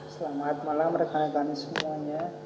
selamat malam rekan rekannya semuanya